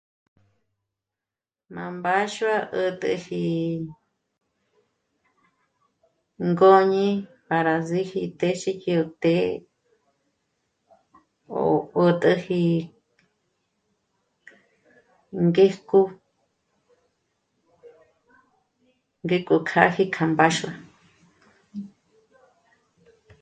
Na mbáxua 'ä̀t'äji ngö́ñi para zìji tèxi hio té'e ó 'ä̀t'äji ngéjko gè k'o k'âji k'a mbaáxua